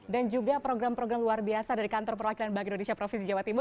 dan juga program program luar biasa dari kantor perwakilan bank indonesia provinsi jawa timur